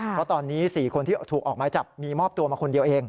เพราะตอนนี้๔คนที่ถูกออกไม้จับมีมอบตัวมาคนเดียวเอง